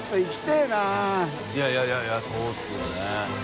いやいやそうですよね。